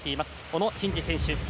小野伸二選手。